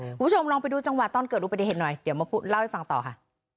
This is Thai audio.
คุณผู้ชมลองไปดูจังหวะตอนเกิดอุบัติเหตุหน่อยเดี๋ยวมาเล่าให้ฟังต่อค่ะ